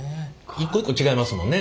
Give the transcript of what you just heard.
一個一個違いますもんね。